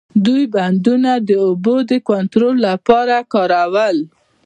دوی بندرونه د اوبو د کنټرول لپاره کارول.